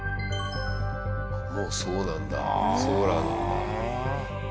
もうそうなんだソーラーなんだ。